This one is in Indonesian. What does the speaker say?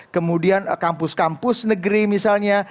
kemudian kampus kampus negeri misalnya